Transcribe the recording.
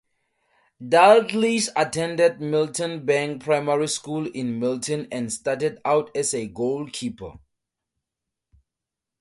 Dalglish attended Milton Bank Primary School in Milton and started out as a goalkeeper.